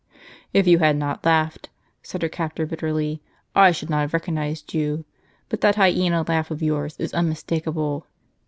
" If you had not laughed," said her captor, bitterly, " I should not have recognized you. But that hyena laugh of yours is unmistakable.